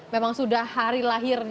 memang sudah hari lahirnya